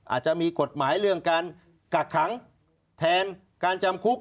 อาจจะมีกฎหมายเรื่องการกักขังแทนการจำคุก